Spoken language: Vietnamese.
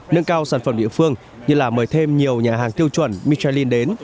nâng cao sản phẩm địa phương như là mời thêm nhiều nhà hàng tiêu chuẩn michain đến